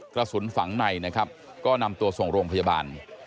กระสุนฝังในนะครับก็นำตัวส่งโรงพยาบาล